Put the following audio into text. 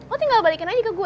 gue tinggal balikin aja ke gue